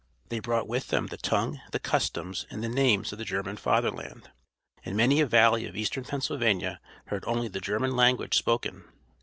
They brought with them the tongue, the customs, and the names of the German Fatherland, and many a valley of eastern Pennsylvania heard only the German language spoken.